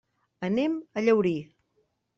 Anem a Llaurí.